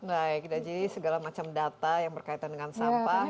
jadi segala macam data yang berkaitan dengan sampah